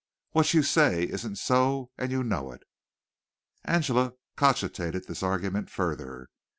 What you say isn't so, and you know it." Angela cogitated this argument further.